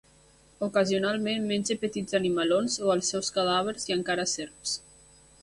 Ocasionalment menja petits animalons o els seus cadàvers i encara serps.